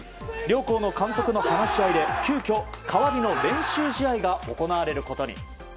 両校の監督の話し合いで急きょ代わりの練習試合が行われることに。